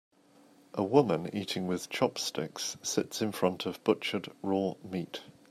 A woman eating with chopsticks sits in front of butchered raw meat.